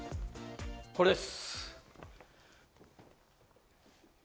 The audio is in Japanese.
これです。